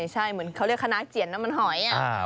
ใช่เหมือนเขาเรียกคณะเจียนน้ำมันหอย